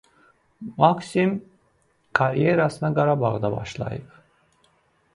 Maksim karyerasına Qarabağda başlayıb.